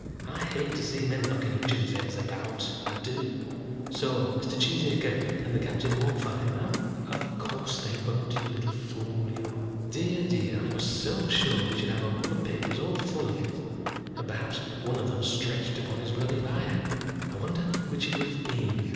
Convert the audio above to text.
I hate to see men knocking each other's heads about, I do. So Mr. Cheesacre and the Captain won't fight, ma'am?" "Of course they won't, you little fool, you." "Dear, dear; I was so sure we should have had the papers all full of it, and perhaps one of them stretched upon his bloody bier! I wonder which it would have been?